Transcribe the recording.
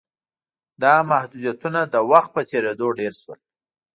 دا محدودیتونه د وخت په تېرېدو ډېر شول